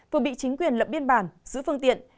vừa bị chính quyền lập biên bản giữ phương tiện